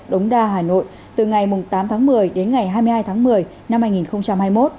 đống đa hà nội từ ngày tám tháng một mươi đến ngày hai mươi hai tháng một mươi năm hai nghìn hai mươi một